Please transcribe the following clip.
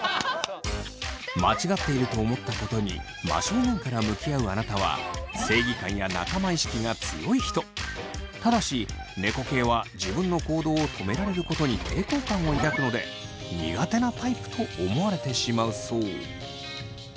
間違っていると思ったことに真正面から向き合うあなたはただし猫系は自分の行動を止められることに抵抗感を抱くので苦手なタイプと思われてしまうそう。